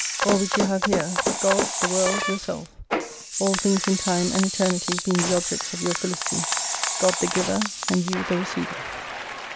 All which you have here, GOD, THE WORLD, YOUR SELF, ALL THINGS in Time and Eternity being the objects of your Felicity, God the Giver, and you the receiver.